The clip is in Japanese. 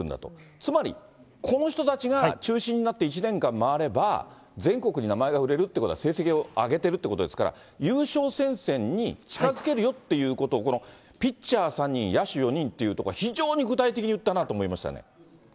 つまり、この人たちが中心になって１年間回れば、全国に名前が売れるということは、成績を上げてるということですから、優勝戦線に近づけるよということを、このピッチャー３人、野手４人っていうところ、非常に具体的に言ったなと思いましたね。